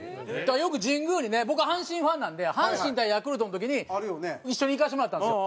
よく神宮にね僕阪神ファンなんで阪神対ヤクルトの時に一緒に行かせてもらったんですよ。